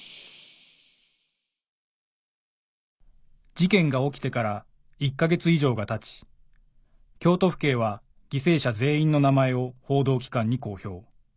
事件が起きてから１か月以上がたち京都府警は犠牲者全員の名前を報道機関に公表